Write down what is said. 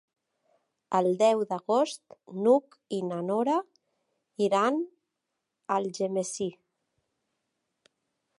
El deu d'agost n'Hug i na Nora iran a Algemesí.